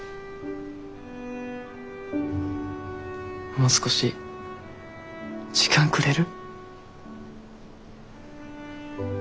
もう少し時間くれる？